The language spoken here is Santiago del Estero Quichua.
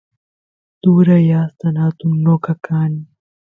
turay astan atun noqa kan